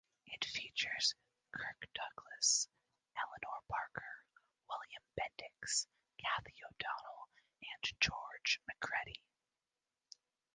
It features Kirk Douglas, Eleanor Parker, William Bendix, Cathy O'Donnell, and George Macready.